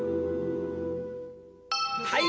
はい！